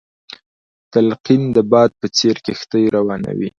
تلقين د باد په څېر کښتۍ روانوي.